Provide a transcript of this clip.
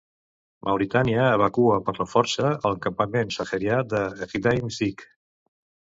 Mauritània evacua per la força el campament saharià de Gdeim Izik.